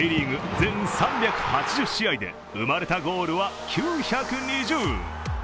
全３８０試合で生まれたゴールは９２０。